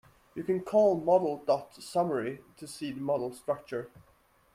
You can call model dot summary to see the model structure.